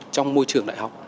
trong môi trường đại học